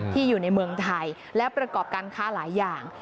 อยู่ในเมืองไทยและประกอบการค้าหลายอย่าง